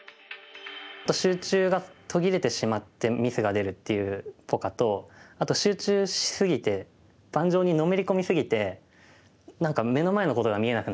集中が途切れてしまってミスが出るっていうポカとあと集中し過ぎて盤上にのめり込み過ぎて何か目の前のことが見えなくなっちゃう。